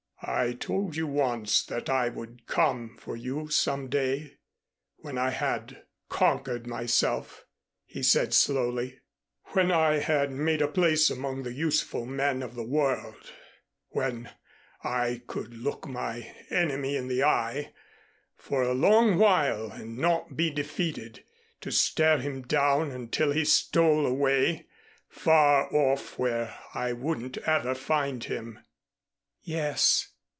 "I told you once that I would come for you some day when I had conquered myself," he said slowly, "when I had made a place among the useful men of the world, when I could look my Enemy in the eye for a long while and not be defeated to stare him down until he stole away far off where I wouldn't ever find him." "Yes."